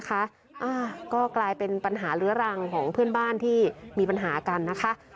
อ่าก็กลายเป็นปัญหาเรื้อรังของเพื่อนบ้านที่มีปัญหากันนะคะ